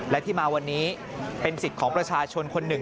และที่มาวันนี้เป็นสิทธิ์ของประชาชนคนหนึ่ง